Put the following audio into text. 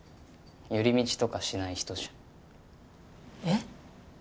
寄り道とかしない人じゃんえっ？